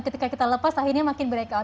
ketika kita lepas tahinya makin breakout